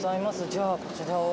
じゃあこちらを。